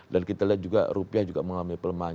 dan kita lihat juga rupiah juga mengalami pelemahan